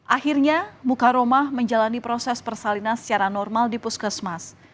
akhirnya mukaromah menjalani proses persalinan secara normal di puskesmas